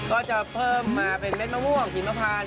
ก็จะเพิ่มมาเป็นเม็ดมะม่วงหิมพาน